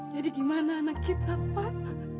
jadi gimana anak kita pak